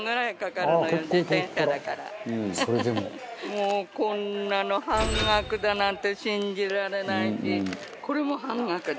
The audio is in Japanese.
もうこんなの半額だなんて信じられないしこれも半額で。